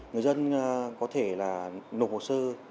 người dân có thể là nộp hộ sư